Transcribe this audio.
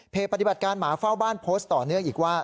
ปฏิบัติการหมาเฝ้าบ้านโพสต์ต่อเนื่องอีกว่า